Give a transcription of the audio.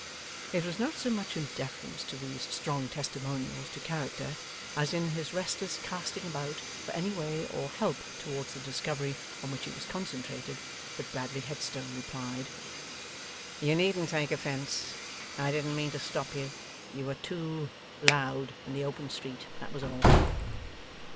It was not so much in deference to these strong testimonials to character, as in his restless casting about for any way or help towards the discovery on which he was concentrated, that Bradley Headstone replied: 'You needn't take offence. I didn't mean to stop you. You were too loud in the open street; that was all.